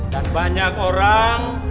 dan banyak orang